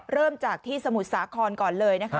เริ่มจากที่สมุทรสาครก่อนเลยนะคะ